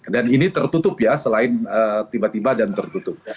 dan ini tertutup ya selain tiba tiba dan tertutup